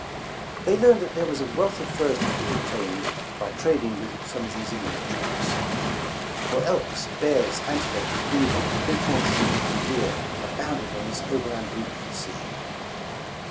Thej^ learned that there was a wealth of furs to be obtained by trading with some of these Indian tribes; for elks, bears, antelopes, beaver, big horn sheep, and deer abounded on this overland route to the sea.